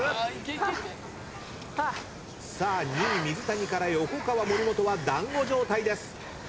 さあ２位水谷から横川森本はだんご状態です。